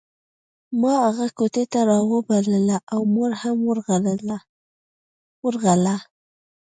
ما هغه کوټې ته راوبلله او مور هم ورغله